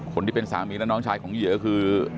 คนที่เป็นสามีและน้องชายของเหยื่อคือ